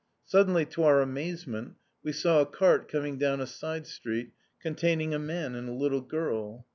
Suddenly, to our amazement, we saw a cart coming down a side street, containing a man and a little girl.